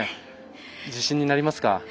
自信になりますか？